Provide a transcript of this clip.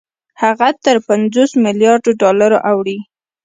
هغه تر پنځوس مليارده ډالرو اوړي